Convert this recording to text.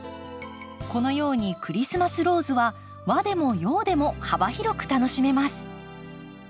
このようにクリスマスローズは和でも洋でも幅広く楽しめます。